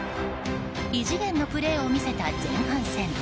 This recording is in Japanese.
異次元のプレーを見せた前半戦。